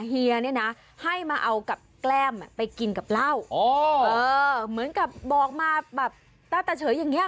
เฮียเนี่ยนะให้มาเอากับแก้มไปกินกับเหล้าเหมือนกับบอกมาแบบตาเฉยอย่างเงี้